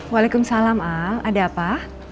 waalaikumsalam al ada apa